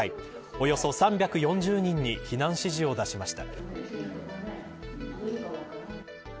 およそ３４０人に避難指示を出しました。